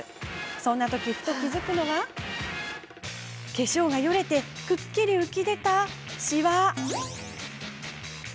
そんな時ふと気付くのは化粧がよれてくっきり浮き出た、しわ。